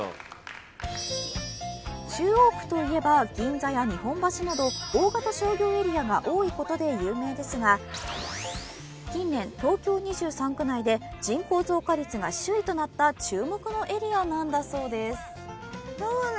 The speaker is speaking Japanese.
中央区といえば銀座や日本橋など大型商業エリアが多いことで有名ですが近年東京２３区内で人口増加率が首位となった注目のエリアなんだそうです。